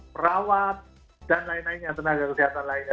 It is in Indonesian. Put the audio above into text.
perawat dan lain lainnya tenaga kesehatan lainnya